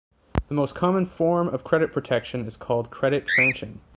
The most common form of credit protection is called credit tranching.